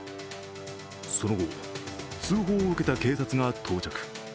その後、通報を受けた警察が到着。